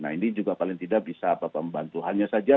nah ini juga paling tidak bisa apa pembantuannya saja